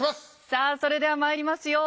さあそれではまいりますよ。